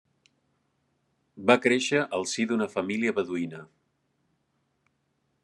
Va créixer al si d'una família beduïna.